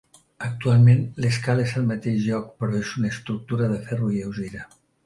Actualment l'escala és al mateix lloc però és una estructura de ferro lleugera.